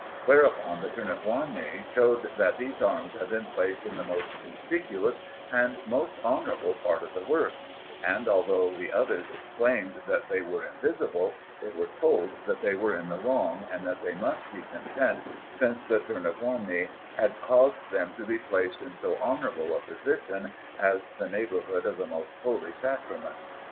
Whereupon the Tornabuoni showed that these arms had been placed in the most conspicuous and most honourable part of the work; and although the others exclaimed that they were invisible, they were told that they were in the wrong, and that they must be content, since the Tornabuoni had caused them to be placed in so honourable a position as the neighbourhood of the most Holy Sacrament.